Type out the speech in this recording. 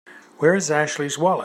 Where's Ashley's wallet?